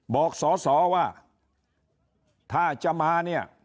บอกสอสอว่าถ้าจะมาเนี่ย